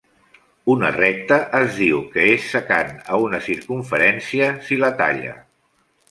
Una recta es diu que és secant a una circumferència si la talla.